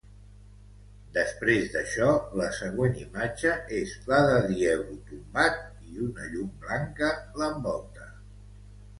Després d'això, la següent imatge és la de Diego tombat i una llum blanca l'envolta.